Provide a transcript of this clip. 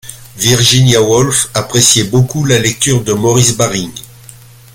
Virginia Woolf appréciait beaucoup la lecture de Maurice Baring.